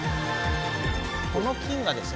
この金がですね